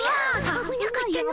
あぶなかったの。